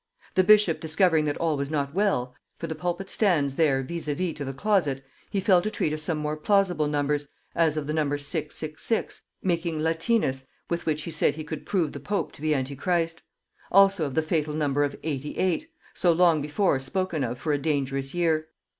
The bishop discovering that all was not well, for the pulpit stands there vis à vis to the closet, he fell to treat of some more plausible numbers, as of the number 666, making Latinus, with which he said he could prove the pope to be Antichrist; also of the fatal number of 88, so long before spoken of for a dangerous year